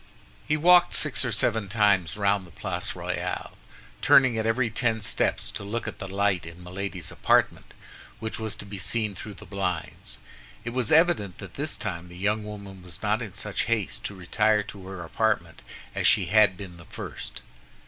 He walked six or seven times round the Place Royale, turning at every ten steps to look at the light in Milady's apartment, which was to be seen through the blinds. It was evident that this time the young woman was not in such haste to retire to her apartment as she had been the first.